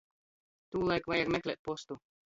Tūlaik vajag meklēt postu.